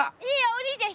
お兄ちゃん